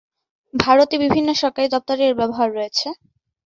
ভারতে বিভিন্ন সরকারি দপ্তরে এর ব্যবহার রয়েছে।